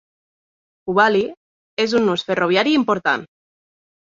Hubballi és un nus ferroviari important.